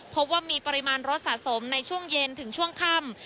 พบว่ามีปริมาณรถสะสมในช่วงเย็นถึงช่วงค่ำ